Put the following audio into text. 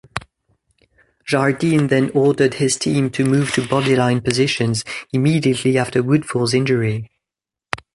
Jardine then ordered his team to move to bodyline positions immediately after Woodfull's injury.